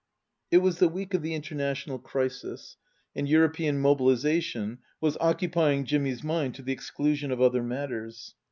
It was the week of the international crisis, and European mobilization was occupying Jimmy's mind to the exclusion of other matters.